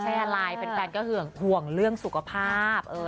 เราเป็นคนกายอย่างจริงจังนะครับ